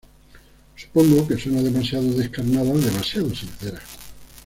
Supongo que suena demasiado descarnada, demasiado sincera.